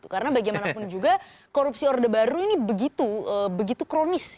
karena bagaimanapun juga korupsi order baru ini begitu kronis